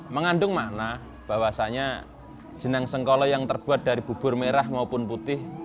mengandung makna bahwasannya jenang sengkolo yang terbuat dari bubur merah maupun putih